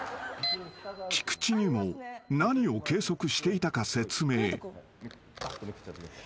［菊地にも何を計測していたか説明］